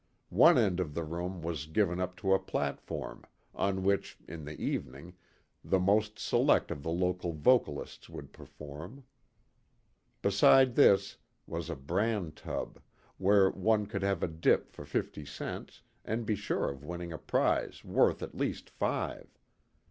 One end of the room was given up to a platform, on which, in the evening, the most select of the local vocalists would perform. Beside this was a bran tub, where one could have a dip for fifty cents and be sure of winning a prize worth at least five.